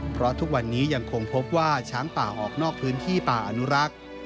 เพราะทุกวันนี้ยังคงพบว่าช้างป่าออกนอกพื้นที่ป่าอนุรักษ์